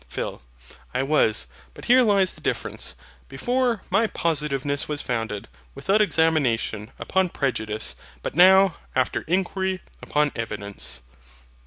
PHIL. I was. But here lies the difference. Before, my positiveness was founded, without examination, upon prejudice; but now, after inquiry, upon evidence.